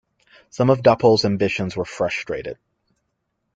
Some of Dapol's ambitions were frustrated.